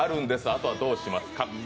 あとはどうしますか？